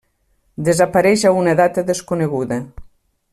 Desapareix a una data desconeguda.